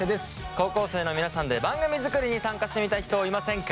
高校生の皆さんで番組作りに参加してみたい人いませんか？